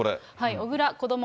小倉こども